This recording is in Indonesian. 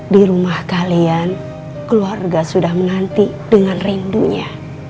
di rumah kalian keluarga sudah menanti dengan rindunya